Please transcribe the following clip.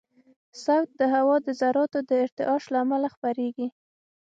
صوت د هوا د ذراتو د ارتعاش له امله خپرېږي.